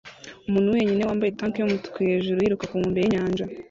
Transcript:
umuntu wenyine wambaye tank yumutuku hejuru yiruka ku nkombe yinyanja